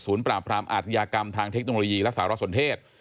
ปราบรามอาทยากรรมทางเทคโนโลยีและสารสนเทศ